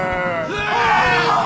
うわ！